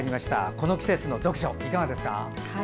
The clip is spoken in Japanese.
この季節の読書、いかがですか？